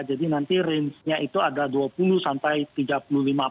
jadi nanti rangenya itu ada dua puluh sampai tiga puluh lima gitu ya